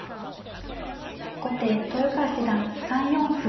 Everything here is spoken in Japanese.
後手豊川七段３四歩。